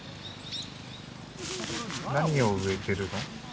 何を植えてるの？